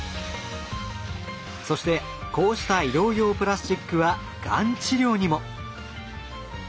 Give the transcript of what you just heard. そしてこうした医療用プラスチックはがん治療にも。